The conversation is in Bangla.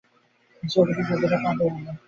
সেই পুতুলটা, যেটার পেট টিপিলে।